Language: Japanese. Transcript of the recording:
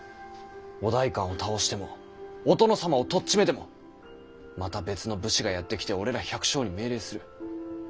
お代官を倒してもお殿様をとっちめてもまた別の武士がやって来て俺ら百姓に命令する。